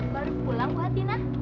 baru pulang gua dina